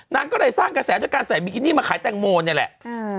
นางก็เลยสร้างกระแสด้วยการใส่บิกินี่มาขายแตงโมนี่แหละ